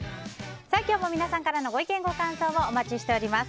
今日も皆さんからのご意見、ご感想をお待ちしています。